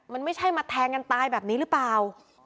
มันไม่ใช่มาแทงกันตายแบบนี้หรือเปล่า